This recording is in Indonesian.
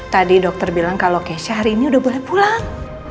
tadi dokter bilang kalau keisha hari ini sudah boleh pulang